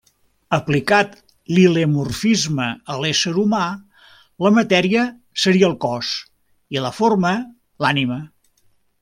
Aplicat l'hilemorfisme a l'ésser humà, la matèria seria el cos i la forma, l'ànima.